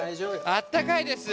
あったかいです。